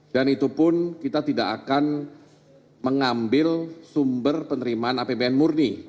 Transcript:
dan itu pun kita tidak akan mengambil sumber penerimaan apbn murni